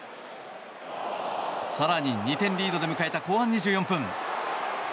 更に、２点リードで迎えた後半２４分。